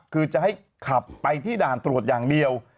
คือจะให้ขับไปที่ด่านตรวจอย่างเดียว